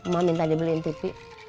mama minta dibeliin tv